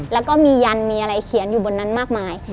แล้วก็มียันมีอะไรเขียนอยู่บนนั้นมากมาย